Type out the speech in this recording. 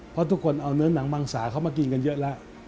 เพราะทุกคนเอาเนื้อหนังมังสาเข้ามากินกันเยอะแล้ว